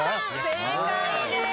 正解です。